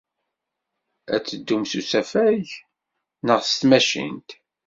Ad teddum s usafag neɣ s tmacint?